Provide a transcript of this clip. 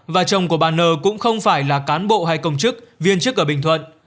và chồng của bà nờ cũng không phải là cán bộ hay công chức viên chức ở bình thuận